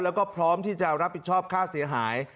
แล้วก็พร้อมที่จะรับผิดชอบค่าเสียหาย